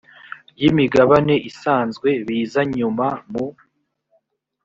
y imigabane isanzwe biza nyuma mu